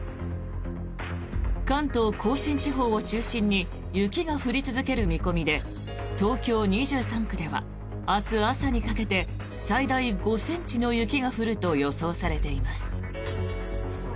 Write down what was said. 関東・甲信地方を中心に雪が降り続ける見込みで東京２３区では明日朝にかけて最大５ｃｍの雪が降ると予想されています。